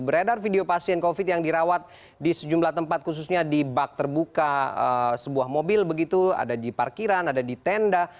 beredar video pasien covid yang dirawat di sejumlah tempat khususnya di bak terbuka sebuah mobil begitu ada di parkiran ada di tenda